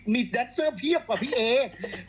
มีแดตเซอร์เพียบกว่าพี่เอสู้ลุง